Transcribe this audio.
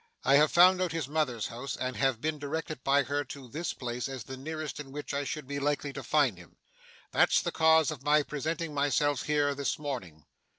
I have found out his mother's house, and have been directed by her to this place as the nearest in which I should be likely to find him. That's the cause of my presenting myself here this morning.